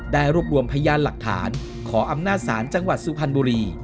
รวบรวมพยานหลักฐานขออำนาจศาลจังหวัดสุพรรณบุรี